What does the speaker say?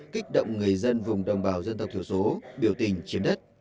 kích động người dân vùng đồng bào dân tộc thiểu số biểu tình chiếm đất